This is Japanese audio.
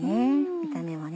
見た目もね。